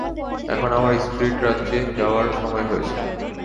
এখন আমার স্পিরিট রাজ্যে যাওয়ার সময় হয়েছে।